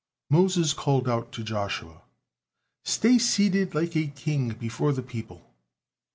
Moses called out to Joshua, "Stay seated like a king before the people!"